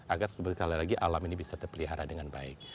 agar seperti sekali lagi alam ini bisa terpelihara dengan baik